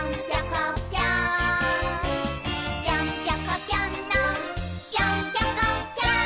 「ぴょんぴょこぴょんのぴょんぴょこぴょん！」